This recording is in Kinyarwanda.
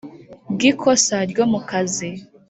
Bw ikosa ryo mu kazi